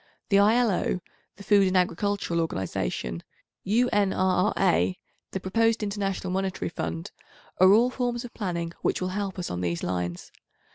The I.L.O., the Food and Agricultural Organisation, U.N.R.R.A., the proposed International Monetary Fund, are all forms of planning, which will help us on these lines.